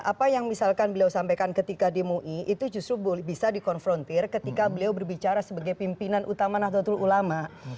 apa yang misalkan beliau sampaikan ketika di mui itu justru bisa dikonfrontir ketika beliau berbicara sebagai pimpinan utama nahdlatul ulama